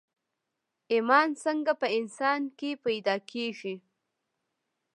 ايمان څنګه په انسان کې پيدا کېږي